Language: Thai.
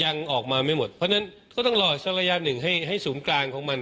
ยังออกมาไม่หมดเพราะฉะนั้นก็ต้องรอสักระยะหนึ่งให้ให้ศูนย์กลางของมัน